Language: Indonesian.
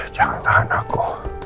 jangan tahan aku